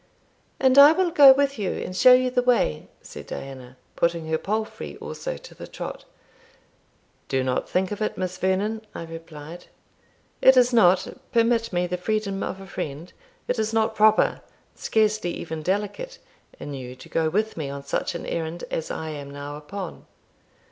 "And I will go with you, and show you the way," said Diana, putting her palfrey also to the trot. "Do not think of it, Miss Vernon," I replied. "It is not permit me the freedom of a friend it is not proper, scarcely even delicate, in you to go with me on such an errand as I am now upon."